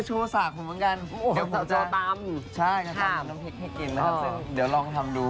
ชายนี้ของพี่ลองดู